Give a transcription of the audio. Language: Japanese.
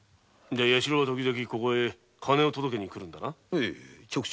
弥四郎は時々ここへ金を届けに来るんだな。